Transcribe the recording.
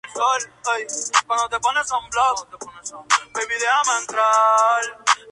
La influencia Olmeca es notable.